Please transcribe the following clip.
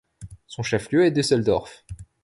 Son chef-lieu est Düsseldorf.